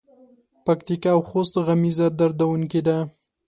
پکتیکا او خوست غمیزه دردوونکې ده.